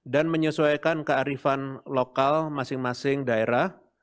menyesuaikan kearifan lokal masing masing daerah